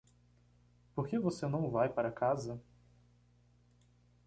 Por que você não vai para casa?